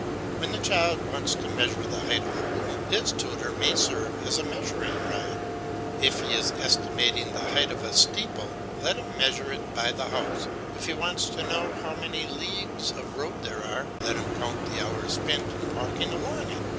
When the child wants to measure the height of a room, his tutor may serve as a measuring rod; if he is estimating the height of a steeple let him measure it by the house; if he wants to know how many leagues of road there are, let him count the hours spent in walking along it.